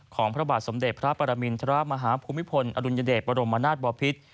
ของพระบาทสมเด็จพระปรมินทรมาฮภูมิพลอรุณเดชน์ประโลมนาสบวพิธ